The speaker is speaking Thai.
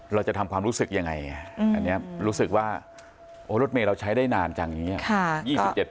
เราจะทำความรู้สึกยังไงอันนี้รู้สึกว่าโอ้รถเมย์เราใช้ได้นานจังอย่างนี้